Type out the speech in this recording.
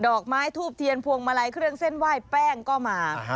อกไม้ทูบเทียนพวงมาลัยเครื่องเส้นไหว้แป้งก็มา